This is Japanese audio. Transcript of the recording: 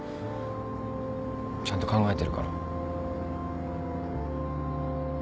ちゃんと考えてるから。